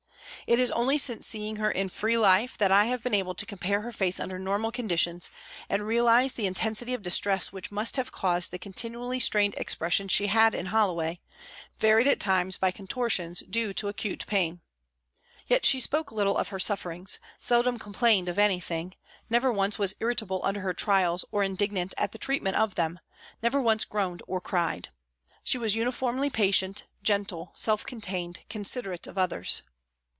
It is only since seeing her in free life that I have been able to compare her face under normal conditions and realised the intensity of distress which must have caused the continually strained expression she had in Holloway, varied at times by contortions due to acute pain. Yet she spoke little of her sufferings, seldom complained of anything, never once was irritable under her trials or indignant at the treat ment of them, never once groaned or cried. She was SOME TYPES OP PRISONERS 119 uniformly patient, gentle, self contained, considerate of others.